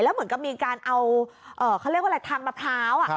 เหมือนกับมีการเอาเขาเรียกว่าอะไรทางมะพร้าว